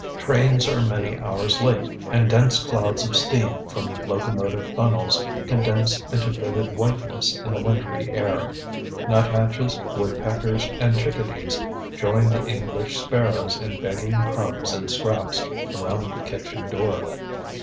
Trains are many hours late, and dense clouds of steam from locomotive funnels condense into vivid whiteness in the wintry air. Nuthatches, woodpeckers, and chickadees join the English sparrows in begging crumbs and scraps around the kitchen door.